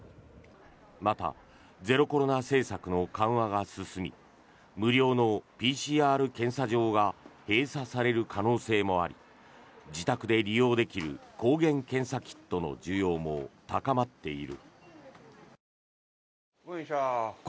また、ゼロコロナ政策の緩和が進み無料のＰＣＲ検査場が閉鎖される可能性もあり自宅で利用できる抗原検査キットの需要も高まっている。